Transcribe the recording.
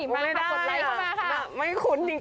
ไม่ได้อะไม่คุ้นจริง